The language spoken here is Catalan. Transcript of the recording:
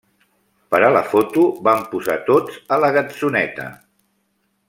Per a la foto vam posar tots a la gatzoneta.